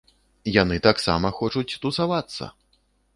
Яны таксама хочуць тусавацца!